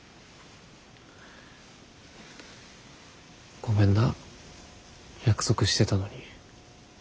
ごめんな約束してたのに。